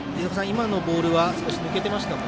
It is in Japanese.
今のボールは少し抜けてましたか。